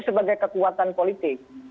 sebagai kekuatan politik